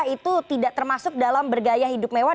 itu tidak termasuk dalam bergaya hidup mewah